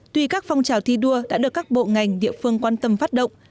tuy các phong trào thi đua đã được các bộ ngành địa phương quan tâm phát động